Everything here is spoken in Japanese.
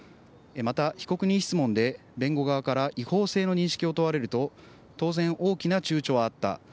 また、被告人質問で弁護側から違法性の認識を問われると、当然大きなちゅうちょはあった。